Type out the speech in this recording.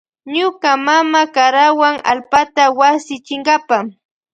Ñuka mama karawan allpata wasi chinkapa.